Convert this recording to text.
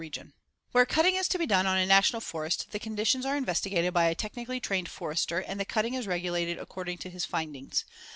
] Where cutting is to be done on a National Forest, the conditions are investigated by a technically trained forester and the cutting is regulated according to his findings.